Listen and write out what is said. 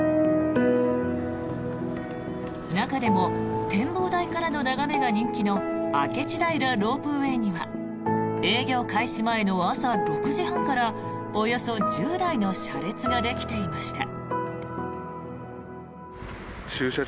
中でも展望台からの眺めが人気の明智平ロープウェイには営業開始前の朝６時半からおよそ１０台の車列ができていました。